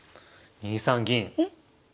２三銀。